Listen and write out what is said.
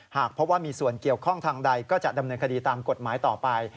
หากพบว่ามีส่วนเกี่ยวข้องทางใดก็จะดำเนินคดีตามกฎหมายต่อไป